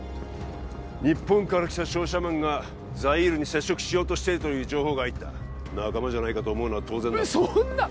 日本から来た商社マンがザイールに接触しようとしているという情報が入った仲間じゃないかと思うのは当然だろそんな！